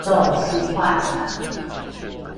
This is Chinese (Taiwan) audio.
北宋書畫家